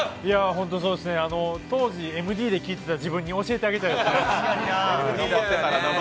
当時、ＭＤで聴いていた自分に教えて上げたいですね。